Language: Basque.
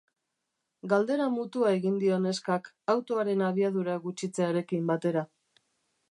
Galdera mutua egin dio neskak, autoaren abiadura gutxitzearekin batera.